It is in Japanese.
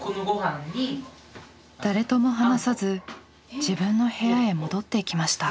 誰とも話さず自分の部屋へ戻っていきました。